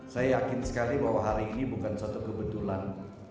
saya yakin sekali bahwa hari ini bukan suatu kebetulan